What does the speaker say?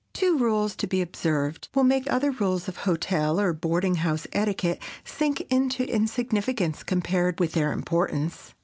Two rules to be observed will make other rules of hotel or boarding house etiquette sink into insignificance compared with their importance.